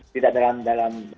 tidak dalam dalam